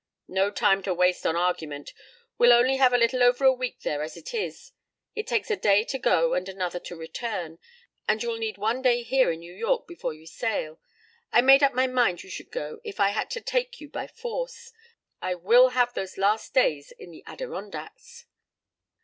"No time to waste on argument. We'll only have a little over a week there as it is. It takes a day to go and another to return, and you'll need one day here in New York before you sail. I made up my mind you should go if I had to take you by force. I will have those last days in the Adirondacks."